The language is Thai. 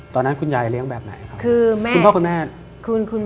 ตอนนั้นคุณยายเลี้ยงแบบไหนครับคือแม่คุณพ่อคุณแม่